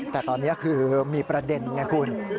แต่ตอนนี้คือมีประเด็นไงคุณ